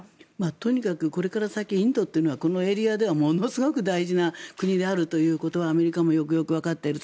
とにかくこれから先インドというのはこのエリアではものすごく大事な国であるということはアメリカもよくよくわかっている。